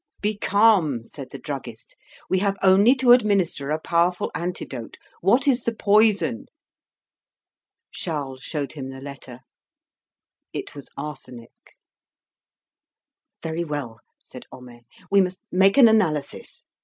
"Be calm," said the druggist; "we have only to administer a powerful antidote. What is the poison?" Charles showed him the letter. It was arsenic. "Very well," said Homais, "we must make an analysis."